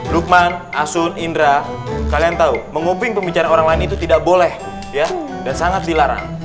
rukman asun indra kalian tahu menguping pembicaraan orang lain itu tidak boleh dan sangat dilarang